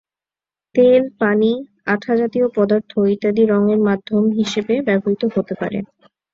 তেল, পানি, আঠা জাতীয় পদার্থ, ইত্যাদি রঙের মাধ্যম হিসেবে ব্যবহৃত হতে পারে।